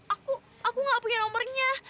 aku aku gak punya nomornya